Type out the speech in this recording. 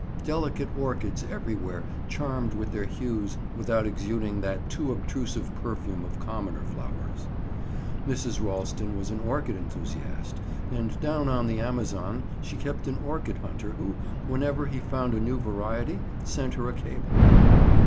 Delicate orchids everywhere charmed with their hues without exuding that too obtrusive perfume of commoner flowers. Mrs. Ralston was an orchid enthusiast and down on the Amazon she kept an orchid hunter who, whenever he found a new variety, sent her a cable.